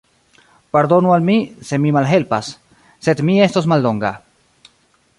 Pardonu al mi, se mi malhelpas; sed mi estos mallonga.